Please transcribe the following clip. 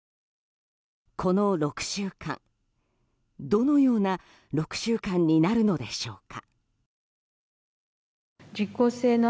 この６週間、どのような６週間になるのでしょうか。